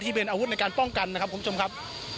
ที่เป็นอาวุธในการป้องกันนะครับคุณผู้ชมครับ